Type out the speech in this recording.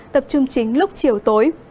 tập trung chính lúc chiều tối